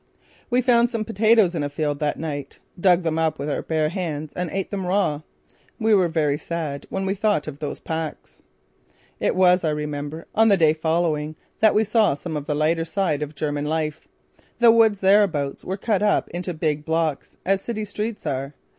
We found some potatoes in a field that night, dug them up with our bare hands and ate them raw. We were very sad when we thought of those packs. It was, I remember, on the day following that we saw some of the lighter side of German life. The woods thereabouts were cut up into big blocks, as city streets are.